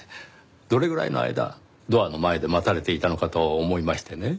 どれぐらいの間ドアの前で待たれていたのかと思いましてね。